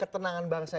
ketenangan bangsa ini